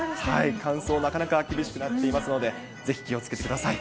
乾燥、なかなか厳しくなっていますので、ぜひ気をつけてください。